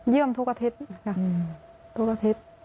เยี่ยมทุกอาทิตย์ค่ะทุกอาทิตย์